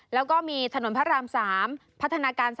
แล้วก็มีถนนพระราม๓พัฒนาการ๓